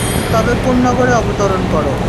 তবে কোন নগরে অবতরণ কর।